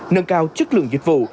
nâng cao chất lượng dịch vụ